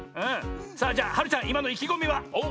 さあじゃあはるちゃんいまのいきごみは？